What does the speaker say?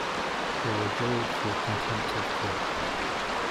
They were jailed for contempt of court.